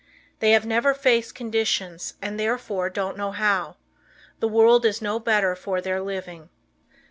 They have never faced conditions and therefore don't know how. The world is no better for their living.